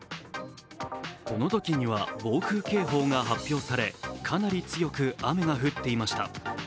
このときには暴風警報が発表されかなり強く雨が降っていました。